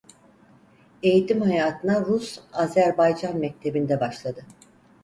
Eğitim hayatına Rus-Azerbaycan mektebinde başladı.